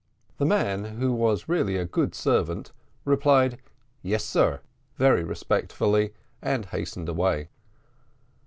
The man, who was really a good servant, replied, "Yes, sir," very respectfully, and hastened away.